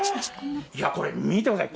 いやこれ見てください。